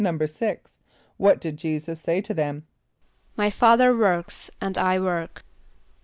= =6.= What did J[=e]´[s+]us say to them? ="My Father works and I work."